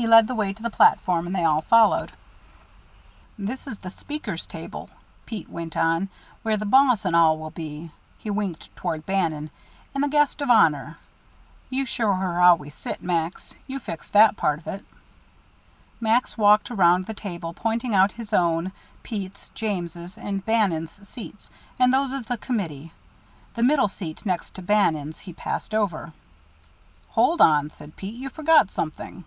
He led the way to the platform, and they all followed. "This is the speakers' table," Pete went on, "where the boss and all will be" he winked toward Bannon "and the guest of honor. You show her how we sit, Max; you fixed that part of it." Max walked around the table, pointing out his own, Pete's, James', and Bannon's seats, and those of the committee. The middle seat, next to Bannon's he passed over. "Hold on," said Pete, "you forgot something."